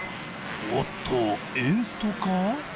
おっとエンストか？